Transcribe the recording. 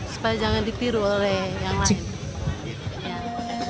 supaya jangan ditiru oleh yang lain